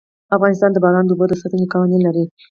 افغانستان د باران د اوبو د ساتنې قوانين لري.